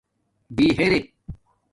بِہرک